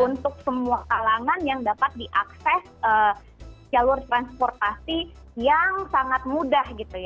untuk semua kalangan yang dapat diakses jalur transportasi yang sangat mudah gitu ya